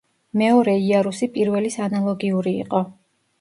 მეორე იარუსი პირველის ანალოგიური იყო.